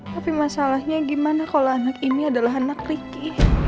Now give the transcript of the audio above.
tapi masalahnya gimana kalau anak ini adalah anak ricky